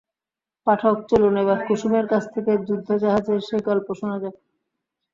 পাঠক, চলুন এবার কুসুমের কাছ থেকে যুদ্ধজাহাজের সেই গল্প শোনা যাক।